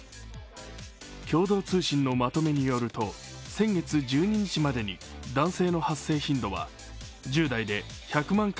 共同通信のまとめによると先月１１日までに男性の発生頻度は１０代で１００万回